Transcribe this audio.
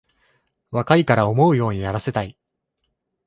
若いから思うようにやらせたい